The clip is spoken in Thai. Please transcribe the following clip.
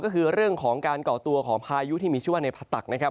ก็คือเรื่องของการก่อตัวของพายุที่มีชื่อว่าในผตักนะครับ